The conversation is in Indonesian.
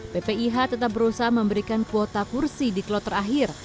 ppih tetap berusaha memberikan kuota kursi di kloter akhir